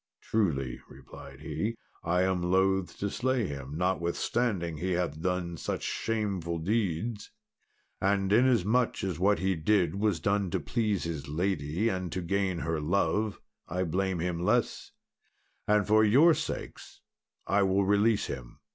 "Truly," replied he, "I am loth to slay him, notwithstanding he hath done such shameful deeds. And inasmuch as what he did was done to please his lady and to gain her love, I blame him less, and for your sakes I will release him.